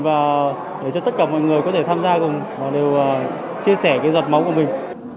và để cho tất cả mọi người có thể tham gia cùng đều chia sẻ cái giọt máu của mình